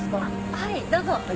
はいどうぞ。